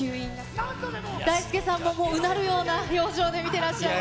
大輔さんも、唸るような表情で見てらっしゃいます。